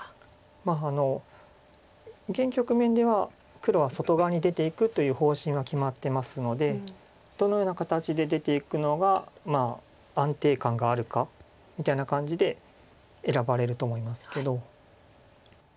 まあ現局面では黒は外側に出ていくという方針は決まってますのでどのような形で出ていくのが安定感があるかみたいな感じで選ばれると思いますけど。